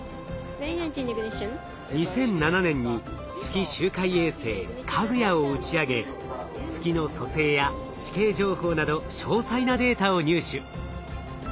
２００７年に月周回衛星「かぐや」を打ち上げ月の組成や地形情報など詳細なデータを入手。